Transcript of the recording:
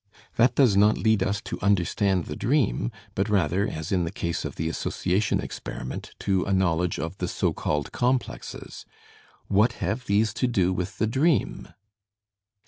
That does not lead us to understand the dream, but rather, as in the case of the association experiment, to a knowledge of the so called complexes. What have these to do with the dream?"